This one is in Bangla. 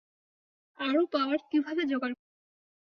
আরো পাওয়ার কীভাবে জোগাড় করবো?